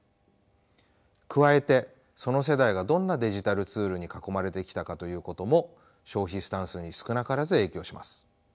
加えてその世代がどんなデジタルツールに囲まれてきたかということも消費スタンスに少なからず影響します。